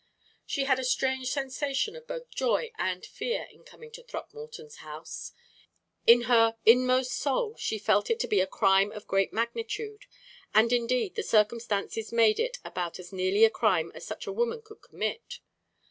She had a strange sensation of both joy and fear in coming to Throckmorton's house. In her inmost soul she felt it to be a crime of great magnitude; and, indeed, the circumstances made it about as nearly a crime as such a woman could commit.